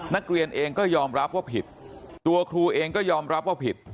นักเรียนเองก็ยอมรับว่าผิดตัวครูเองก็ยอมรับว่าผิด